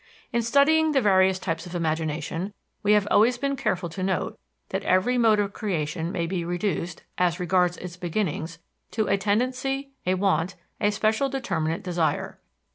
In studying the various types of imagination we have always been careful to note that every mode of creation may be reduced, as regards its beginnings, to a tendency, a want, a special, determinate desire.